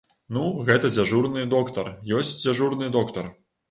Ну, гэта дзяжурны доктар, ёсць дзяжурны доктар.